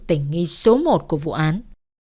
tỉnh nghi số một của vụ án